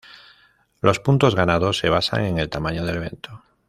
Los puntos ganados se basan en el tamaño del evento.